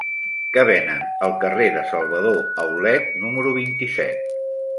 Què venen al carrer de Salvador Aulet número vint-i-set?